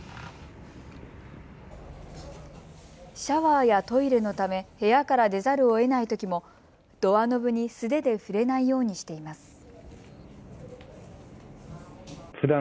シャワーやトイレのため部屋から出ざるをえないときもドアノブに素手で触れないようにしています。